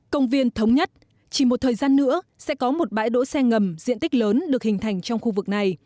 công viên thống nhất chỉ một thời gian nữa sẽ có một bãi đỗ xe ngầm diện tích lớn được hình thành trong khu vực này